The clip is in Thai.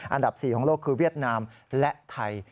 อันดับ๔ของโลกคือเวียดนามและไทย